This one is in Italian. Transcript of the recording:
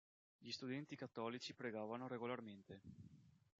Gli studenti cattolici pregavano regolarmente.